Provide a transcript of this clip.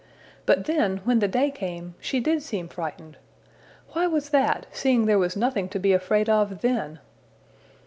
But then, when the day came, she did seem frightened why was that, seeing there was nothing to be afraid of then?